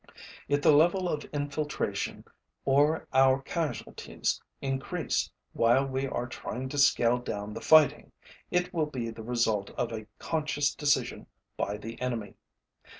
If the level of infiltration or our casualties increase while we are trying to scale down the fighting, it will be the result of a conscious decision by the enemy.